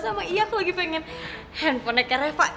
sama iya aku lagi pengen handphonenya ke refa